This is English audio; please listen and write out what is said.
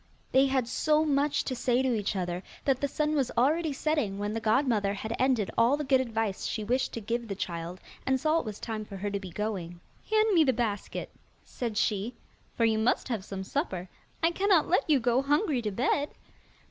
They had so much to say to each other, that the sun was already setting when the godmother had ended all the good advice she wished to give the child, and saw it was time for her to be going. 'Hand me the basket,' said she, 'for you must have some supper. I cannot let you go hungry to bed.